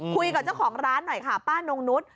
คุยกับเจ้าของร้านหน่อยค่ะป้านงนุษย์